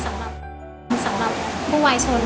สำหรับผู้ไวชล